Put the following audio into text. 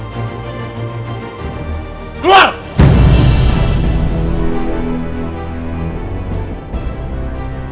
ya allah masalah kenapa ya allah